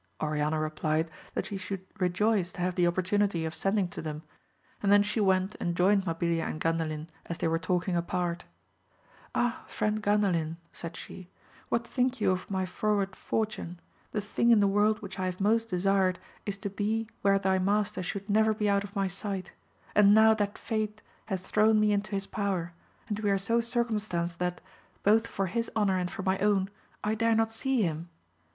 Oriana replied that she should rejoice to have the opportunity of sending to them, and, then she went and joined Mabilia and GandaHn as they were talking apart. Ah, Mend Gandalin, said she, what think you of my froward fortune ! the thing in the world which I have most desired, is to be where thy master should never be out of my sight, and now that fate has thrown me into his power, we are so cir cumstanced that, both for his honour and for my own, I dare not see him